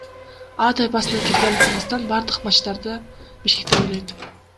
А тайпасына кирген Кыргызстан бардык матчтарды Бишкекте ойнойт.